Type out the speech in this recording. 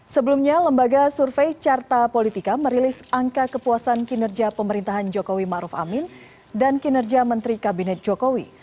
sebelumnya lembaga survei carta politika merilis angka kepuasan kinerja pemerintahan jokowi ⁇ maruf ⁇ amin dan kinerja menteri kabinet jokowi